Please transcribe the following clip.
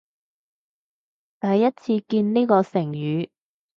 第一次見呢個成語